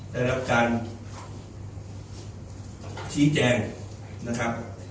ได้รับการชี้แจงนะครับ